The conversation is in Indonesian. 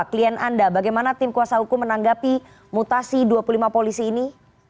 klien anda bagaimana tim kuasa hukum menanggapi mutasi dua puluh lima polisi ini